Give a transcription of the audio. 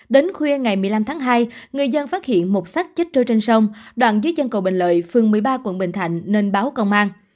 đến khuya ngày một mươi năm tháng hai người dân phát hiện một sắc chích trôi trên sông đoạn dưới chân cầu bình lợi phường một mươi ba quận bình thạnh nên báo công an